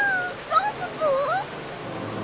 ランププ！？